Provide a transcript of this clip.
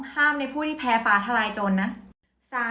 ๒ห้ามในผู้ที่แพ้ฟ้าทะลายจนนะ